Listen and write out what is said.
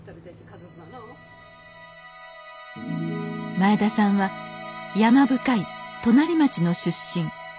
前田さんは山深い隣町の出身。